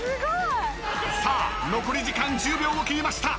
［さあ残り時間１０秒を切りました］